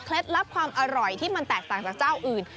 ลับความอร่อยที่มันแตกต่างจากเจ้าอื่น